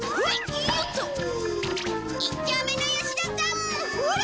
一丁目の吉田さんほら！